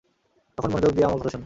এখন মনোযোগ দিয়ে আমার কথা শুনো।